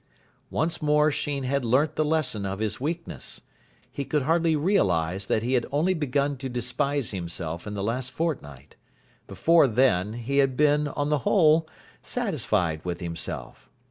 Once more Sheen had learnt the lesson of his weakness. He could hardly realise that he had only begun to despise himself in the last fortnight. Before then, he had been, on the whole, satisfied with himself.